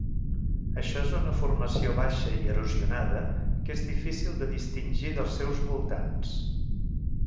Això és una formació baixa i erosionada que és difícil de distingir dels seus voltants.